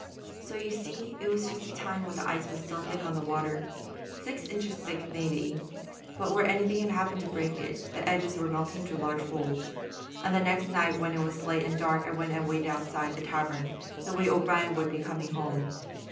'So you see it was just the time when the ice was still thick on the water, six inches thick maybe, but where anything had happened to break it the edges were melting into large holes. And the next night when it was late and dark I went and waited outside the tavern, the way O'Brien would be coming home.